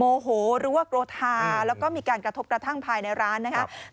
โมโหหรือว่าโกทาแล้วก็มีการกระทบกระทั่งภายในร้านนะครับ